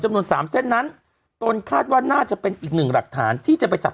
จำนวน๓เส้นนั้นต้นคาดว่าน่าเป็นอีก๑หลักฐานที่จะไปจับ